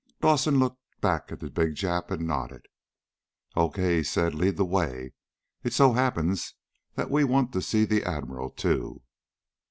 Dawson looked back at the big Jap, and nodded. "Okay," he said. "Lead the way. It so happens that we want to see the Admiral, too."